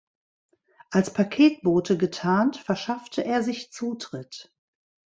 Als Paketbote getarnt verschaffte er sich Zutritt.